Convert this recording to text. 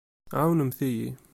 Ɛewnemt-iyi.